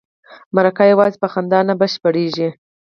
مرکه یوازې په خندا نه بشپړیږي.